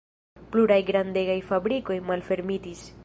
Pluraj grandegaj fabrikoj malfermitis.